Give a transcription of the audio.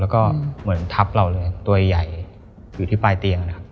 แล้วก็เหมือนทับเราเลยตัวใหญ่อยู่ที่ปลายเตียงนะครับ